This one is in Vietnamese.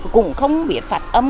cũng không biết phát âm